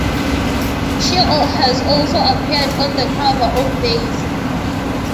She has also appeared on the cover of "Dazed".